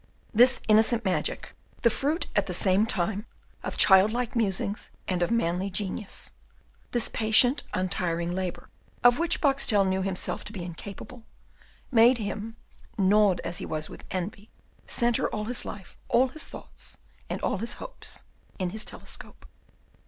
This innocent magic, the fruit at the same time of child like musings and of manly genius this patient untiring labour, of which Boxtel knew himself to be incapable made him, gnawed as he was with envy, centre all his life, all his thoughts, and all his hopes in his telescope.